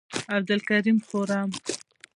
عبدالکریم خرم،